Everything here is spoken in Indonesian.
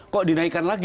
kok dinaikkan lagi